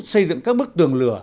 xây dựng các bức tường lửa